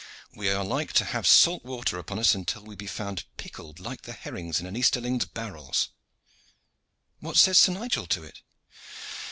We are like to have salt water upon us until we be found pickled like the herrings in an Easterling's barrels." "What says Sir Nigel to it?"